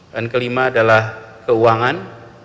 dan kelima adalah keuangan